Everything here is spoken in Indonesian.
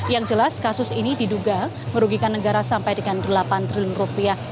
yang jelas kasus ini diduga merugikan negara sampai dengan delapan triliun rupiah